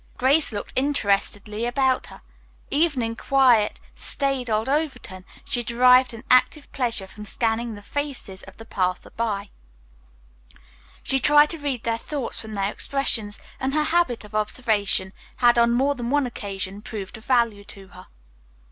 Grace looked interestedly about her. Even in quiet, staid old Overton she derived an active pleasure from scanning the faces of the passersby. She tried to read their thoughts from their expressions, and her habit of observation had on more than one occasion proved of value to her.